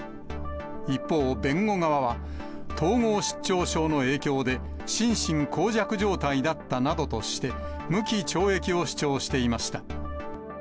一方、弁護側は、統合失調症の影響で心神耗弱状態だったなどとして、無期懲役を主張していました。